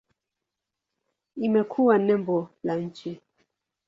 Imekuwa nembo la nchi.